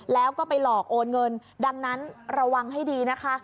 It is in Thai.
แล้วก็ไปหลอกโอนเงินดังนั้นระวังให้ดีนะคะ